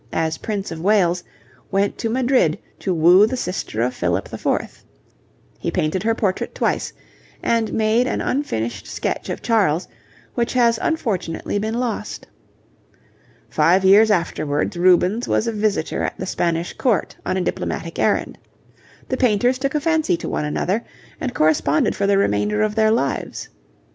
as Prince of Wales, went to Madrid to woo the sister of Philip IV. He painted her portrait twice, and made an unfinished sketch of Charles, which has unfortunately been lost. Five years afterwards Rubens was a visitor at the Spanish Court on a diplomatic errand. The painters took a fancy to one another, and corresponded for the remainder of their lives.